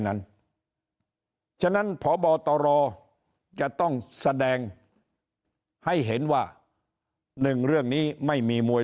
ฉะนั้นพบตรจะต้องแสดงให้เห็นว่าหนึ่งเรื่องนี้ไม่มีมวย